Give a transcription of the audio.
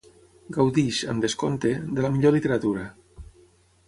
Gaudix, amb descompte, de la millor literatura.